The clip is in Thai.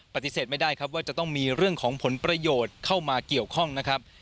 ปฏิเสธไม่ได้ครับว่าจะต้องมีเรื่องของผลประโยชน์เข้ามาเกี่ยวข้องนะครับ